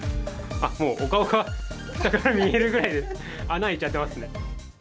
もうお顔が見えるぐらい、穴開いちゃってますね。